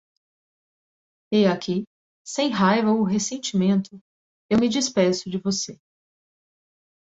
E aqui, sem raiva ou ressentimento, eu me despeço de você.